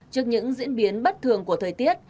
trước những diễn biến bất thường của thời tiết